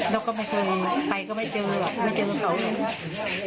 แล้วก็ไม่เคยไปก็ไม่เจอไม่เจอเขาเลยนะ